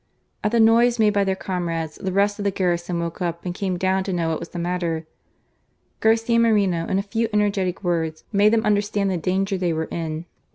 At the noise made by their comrades, the rest of the garrison woke up and came down to know what was the matter. Garcia Moreno, in a few energetic words, made them understand the danger they were in.